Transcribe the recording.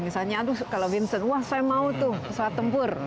misalnya aduh kalau vincent wah saya mau tuh pesawat tempur